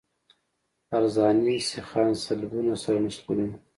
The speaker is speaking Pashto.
عرضاني سیخان سلبونه سره نښلوي